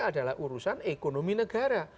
adalah urusan ekonomi negara